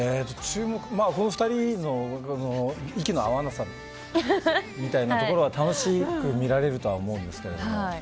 この２人の息の合わなさみたいなところが楽しく見られるとは思うんですけど。